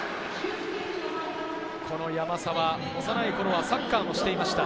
山沢、幼い頃はサッカーもしていました。